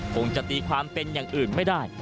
คงจะตีความเป็นอย่างอื่นไม่ได้